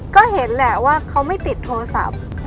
ก็เห็นแหละว่าเขาไม่ติดโทรศัพท์